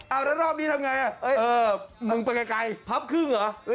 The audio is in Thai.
เอาแล้วรอบนี้ทำไงเออมึงไปไกลพับครึ่งเหรอ